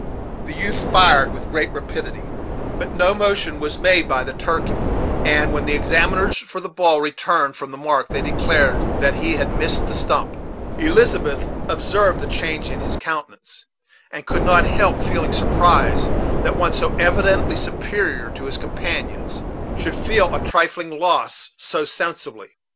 The youth fired with great rapidity, but no motion was made by the turkey; and, when the examiners for the ball returned from the "mark," they declared that he had missed the stump. Elizabeth observed the change in his countenance, and could not help feeling surprise that one so evidently superior to his companions should feel a trifling loss so sensibly.